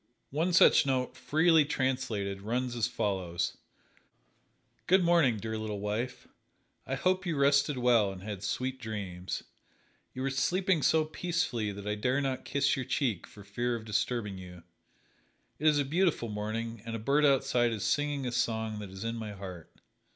One such note, freely translated, runs as follows: "Good morning, Dear Little Wife. I hope you rested well and had sweet dreams. You were sleeping so peacefully that I dare not kiss your cheek for fear of disturbing you. It is a beautiful morning and a bird outside is singing a song that is in my heart.